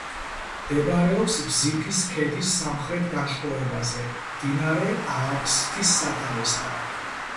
მდებარეობს ბზიფის ქედის სამხრეთ განშტოებაზე, მდინარე ააფსთის სათავესთან.